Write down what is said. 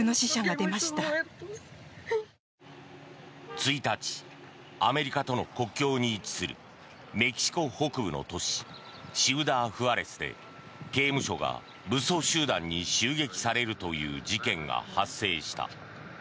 １日アメリカとの国境に位置するメキシコ北部の都市シウダーフアレスで刑務所が武装集団に襲撃されるという事件が発生した。